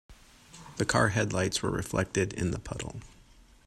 The car headlights were reflected in the puddle.